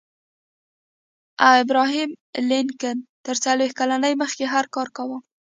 ابراهم لينکن تر څلوېښت کلنۍ مخکې هر کار کاوه.